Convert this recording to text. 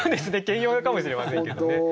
兼用かもしれませんけどね。